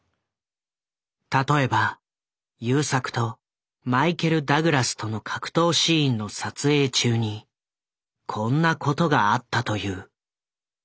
例えば優作とマイケル・ダグラスとの格闘シーンの撮影中にこんなことがあったという。